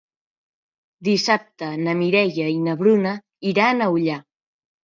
Dissabte na Mireia i na Bruna iran a Ullà.